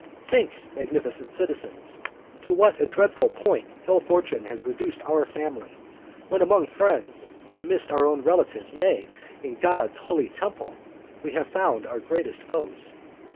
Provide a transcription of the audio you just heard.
Think, magnificent citizens, to what a dreadful point ill fortune has reduced our family, when among friends, amidst our own relatives, nay, in God's holy temple, we have found our greatest foes.